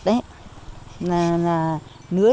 nửa ra đanh cây